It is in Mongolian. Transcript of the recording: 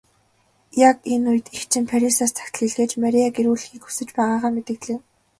Яг энэ үед эгч нь Парисаас захидал илгээж Марияг ирүүлэхийг хүсэж байгаагаа мэдэгдлээ.